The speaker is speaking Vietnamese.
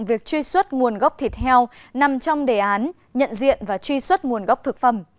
việc truy xuất nguồn gốc thịt heo nằm trong đề án nhận diện và truy xuất nguồn gốc thực phẩm